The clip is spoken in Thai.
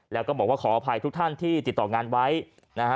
แล้วก็บอกว่าขออภัยทุกท่านที่ติดต่องานไว้นะฮะ